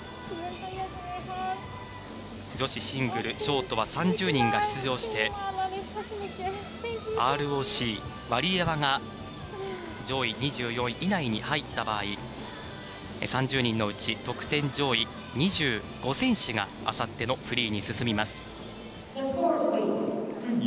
女子シングルショートは３０人が出場してＲＯＣのワリエワが上位２４位以内に入った場合３０人のうち得点上位２５選手があさってのフリーに進みます。